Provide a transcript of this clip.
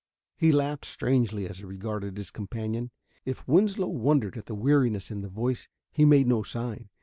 He laughed strangely as he regarded his companion. If Winslow wondered at the weariness in the voice he made no sign.